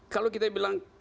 kalau kita bilang